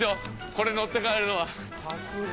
これ乗って帰るのは。